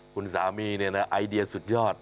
คุณสามีเนี่ยนะไอเดียสุดยอด